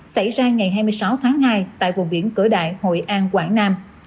xảy ra ngày hai mươi sáu tháng hai tại vùng biển cửa đại hội an quảng nam